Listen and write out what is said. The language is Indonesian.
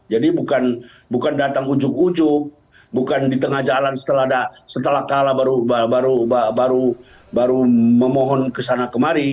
jadi bukan datang ujuk ujuk bukan di tengah jalan setelah kalah baru memohon kesana kemari